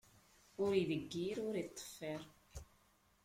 Ur ideyyir, ur iṭṭeffiṛ.